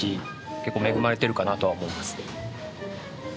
結構恵まれてるかなとは思いますね。